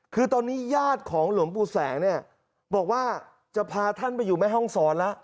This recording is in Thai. คือตอนนี้ญาติของหลวงปู่แสงเนี่ยบอกว่าจะพาท่านไปอยู่แม่ห้องศรแล้ว